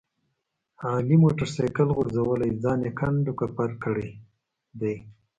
علي موټر سایکل غورځولی ځان یې کنډ کپر کړی دی.